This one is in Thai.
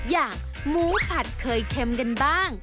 อย่างหมูผัดเคยเค็มกันบ้าง